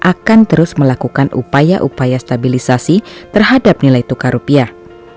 akan terus melakukan upaya upaya stabilisasi terhadap nilai tukar rupiah